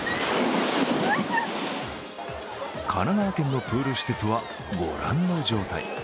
神奈川県のプール施設はご覧の状態。